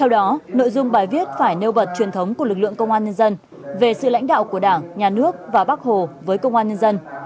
đó nội dung bài viết phải nêu bật truyền thống của lực lượng công an nhân dân về sự lãnh đạo của đảng nhà nước và bắc hồ với công an nhân dân